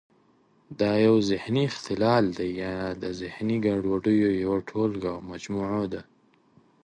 دا یو ذهني اختلال دی یا د ذهني ګډوډیو یوه ټولګه او مجموعه ده.